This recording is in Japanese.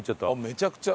めちゃくちゃ。